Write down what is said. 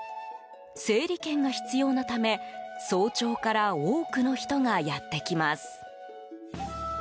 整理券が必要なため早朝から多くの人がやってきます。